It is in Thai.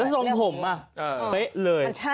แล้วส่วนผมอะเป๊ะเลย